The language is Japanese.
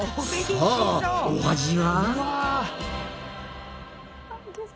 さあお味は？